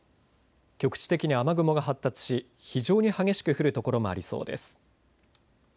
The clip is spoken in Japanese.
局地的に雨雲が発達し非常に激しく降る所もありそうです。